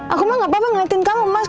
aku mah gak apa apa ngeliatin kamu mas